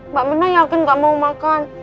mbak bena yakin gak mau makan